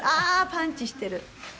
パンチしてる。